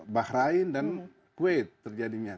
bahrain dan kuwait terjadinya